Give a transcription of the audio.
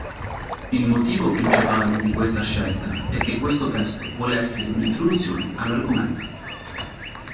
Il motivo principale di questa scelta è che questo testo vuole essere un'introduzione all'argomento.